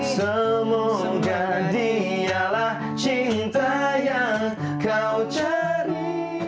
semoga dialah cinta yang kau cari